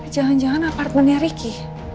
jangan jangan apartemennya ricky